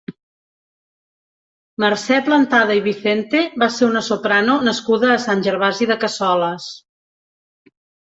Mercè Plantada i Vicente va ser una soprano nascuda a Sant Gervasi de Cassoles.